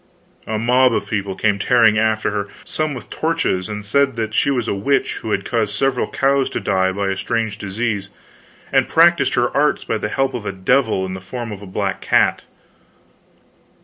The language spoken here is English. A mob of people came tearing after her, some with torches, and they said she was a witch who had caused several cows to die by a strange disease, and practiced her arts by help of a devil in the form of a black cat.